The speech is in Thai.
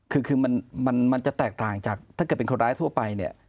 คือมันจะแตกต่างจากถ้าเกิดเป็นคนร้ายทั่วไปเนี่ย